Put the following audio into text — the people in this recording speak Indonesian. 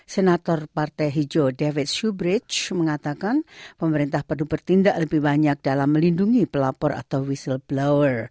senator partai hijau david subridge mengatakan pemerintah perlu bertindak lebih banyak dalam melindungi pelapor atau whistleblower